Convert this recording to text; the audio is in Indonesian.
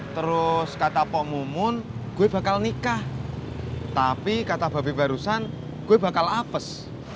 terus kata pomun gue bakal nikah tapi kata babi barusan gue bakal apes